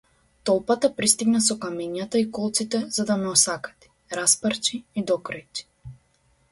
Толпата пристига со камењата и колците за да ме осакати, распарчи и докрајчи.